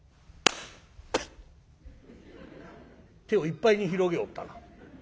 「手をいっぱいに広げおったな。